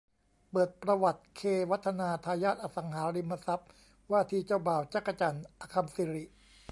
เปิดประวัติ เค วัฒนา ทายาทอสังหาริมทรัพย์ ว่าที่เจ้าบ่าว จั๊กจั่น อคัมย์สิริ